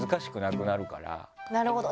なるほど！